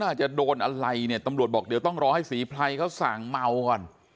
อาจจะโดนอะไรเนี่ยตำรวจบอกเดี๋ยวต้องรอให้ศรีไพรเขาสั่งเมาก่อน